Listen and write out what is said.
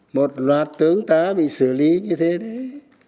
một loạt tướng tá bị xử lý như thế đấy